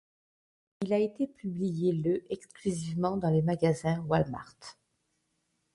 Il a été publié le exclusivement dans les magasins Wal-Mart.